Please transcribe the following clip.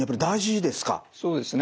そうですね。